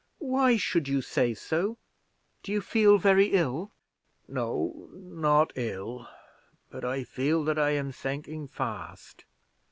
"Why should you say so! Do you feel very ill?" "No, not ill; but I feel that I am sinking fast.